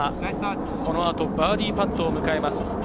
この後、バーディーパットを迎えます。